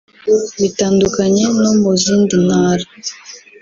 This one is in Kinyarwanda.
Bitandukanye no mu zindi Ntara